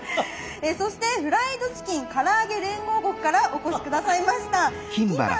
そしてフライドチキン・からあげ連合国からお越し下さいました金原さん。